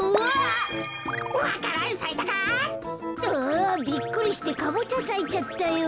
あびっくりしてカボチャさいちゃったよ。